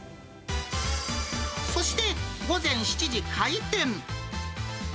そして、午前７時開店。